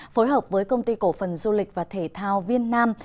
phối hợp với công ty cổ phần du lịch và thể thao viên nam